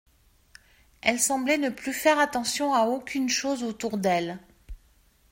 Elle semblait ne plus faire attention à aucune chose autour d'elle.